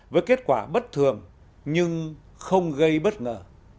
với kết quả bất thường nhưng không gây bất ngờ